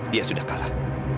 dia sudah kalah